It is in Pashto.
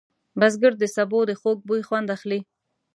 بزګر د سبو د خوږ بوی خوند اخلي